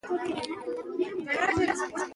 د شل اووريزو بازيو مینه وال زیات دي.